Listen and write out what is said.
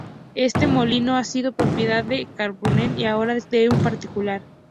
Este molino ha sido propiedad de Carbonell, y ahora de un particular.